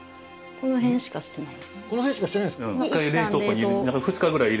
この辺しかしてないんですか？